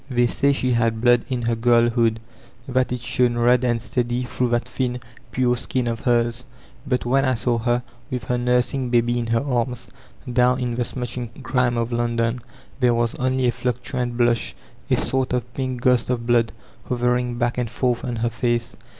They say she had blood in her girlhood, that it shone red and steady through that thin, pure skin of hers ; but when I saw her, with her nursing baby in her arms, down in the smutching grime of London, there was only a fluctuant blush, a sort of pink ghost of blood, hovering back and forth on her face.